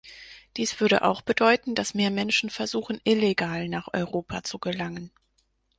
Dies würde auch bedeuten, dass mehr Menschen versuchen, illegal nach Europa zu gelangen.